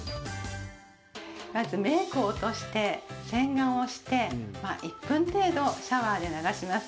まずメークを落として洗顔をして１分程度シャワーで流します。